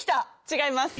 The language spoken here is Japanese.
違います。